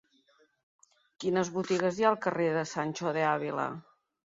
Quines botigues hi ha al carrer de Sancho de Ávila?